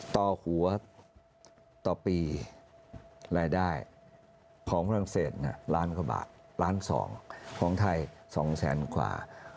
ต่อหัวต่อปีรายได้ของฝรั่งเศสล้านกว่าบาทล้าน๒ของไทย๒แสนกว่า